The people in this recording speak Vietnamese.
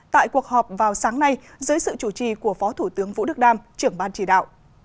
tại cuộc họp vào sáng nay dưới sự chủ trì của phó thủ tướng vũ đức đam trưởng ban chỉ đạo